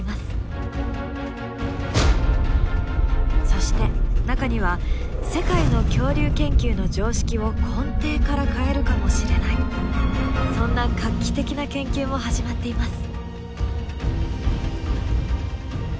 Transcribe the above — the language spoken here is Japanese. そして中には世界の恐竜研究の常識を根底から変えるかもしれないそんな画期的な研究も始まっています。